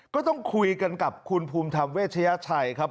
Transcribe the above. ก็ต้องคุยกันกับคุณภูมิธรรมเวชยชัยครับ